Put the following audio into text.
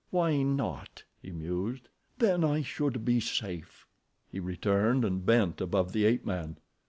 "Why not?" he mused. "Then I should be safe." He returned and bent above the ape man.